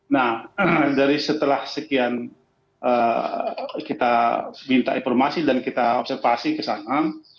nah dari setelah sekian kita minta informasi dan kita observasi ke sana